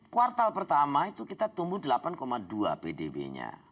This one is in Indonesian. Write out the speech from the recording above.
kuartal pertama itu kita tumbuh delapan dua pdb nya